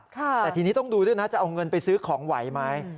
แต่ทีนี้ต้องดูด้วยนะจะเอาเงินไปซื้อของไหวไหม